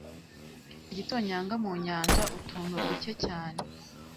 igitonyanga mu nyanja utuntu duke cyane